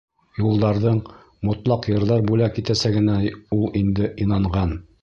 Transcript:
Юлдарҙың мотлаҡ йырҙар бүләк итәсәгенә ул инде инанған.